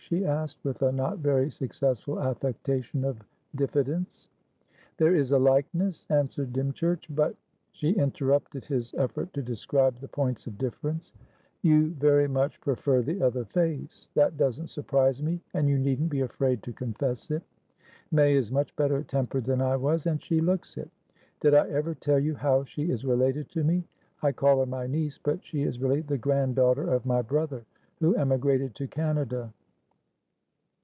she asked, with a not very successful affectation of diffidence. "There is a likeness," answered Dymchurch. "But" She interrupted his effort to describe the points of difference. "You very much prefer the other face. That doesn't surprise me and you needn't be afraid to confess it. May is much better tempered than I was, and she looks it. Did I ever tell you how she is related to me? I call her my niece, but she is really the grand daughter of my brother, who emigrated to Canada."